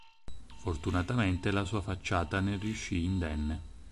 Fortunatamente la sua facciata ne riuscì indenne.